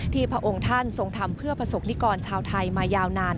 พระองค์ท่านทรงทำเพื่อประสบนิกรชาวไทยมายาวนาน